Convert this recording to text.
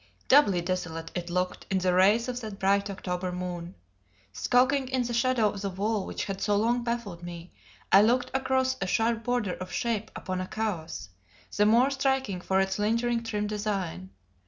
Doubly desolate it looked in the rays of that bright October moon. Skulking in the shadow of the wall which had so long baffled me, I looked across a sharp border of shade upon a chaos, the more striking for its lingering trim design.